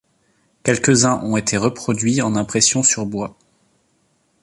Quelques-uns ont été reproduits en impressions sur bois.